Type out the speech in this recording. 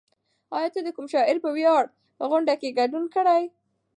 ایا ته د کوم شاعر په ویاړ غونډه کې ګډون کړی؟